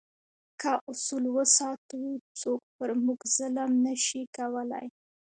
که اصول وساتو، څوک پر موږ ظلم نه شي کولای.